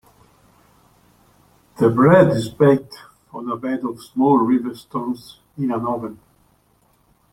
The bread is baked on a bed of small river stones in an oven.